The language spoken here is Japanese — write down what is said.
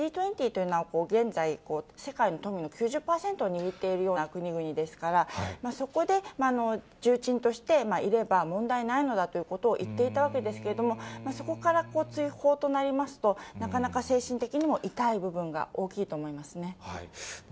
Ｇ２０というのは、現在、世界の富の９０％を握っているような国々ですから、そこで重鎮としていれば問題ないのだということを言っていたわけですけれども、そこから追放となりますと、なかなか精神的にも痛い部分が大きいと思いますね。